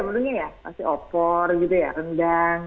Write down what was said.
menunya ya masih opor gitu ya rendang